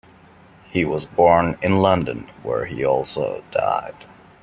He was born in London, where he also died.